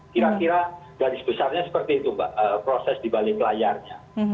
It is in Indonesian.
kira kira dari sebesarnya seperti itu proses di balik layarnya